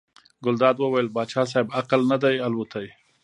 ګلداد وویل پاچا صاحب عقل نه دی الوتی.